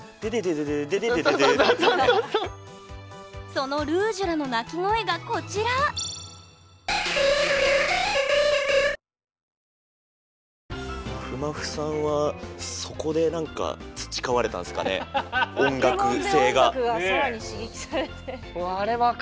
そのルージュラの鳴き声がこちらまふまふさんはそこで何かポケモンで音楽が更に刺激されて。